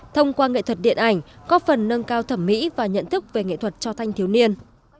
thông qua nghệ thuật điện ảnh có phần nâng cao thẩm mỹ và nhận thức về nghệ thuật cho thanh thiếu niên